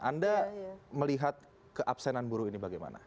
anda melihat keabsenan buruh ini bagaimana